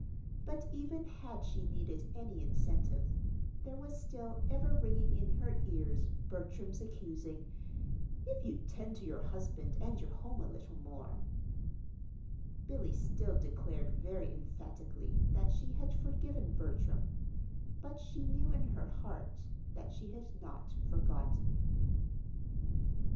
But even had she needed any incentive, there was still ever ringing in her ears Bertram's accusing: "If you'd tend to your husband and your home a little more " Billy still declared very emphatically that she had forgiven Bertram; but she knew, in her heart, that she had not forgotten.